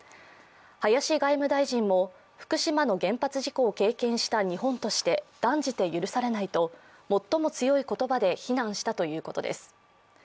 林外務大臣も、福島の原発事故を経験した日本として断じて許されないと最も強い言葉で非難したということです。